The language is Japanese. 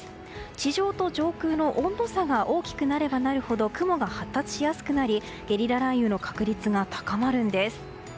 地上と上空の温度差が大きくなればなるほど雲が発達しやすくなりゲリラ雷雨の確率が高まるんです。